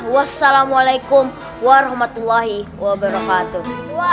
wassalamualaikum warahmatullahi wabarakatuh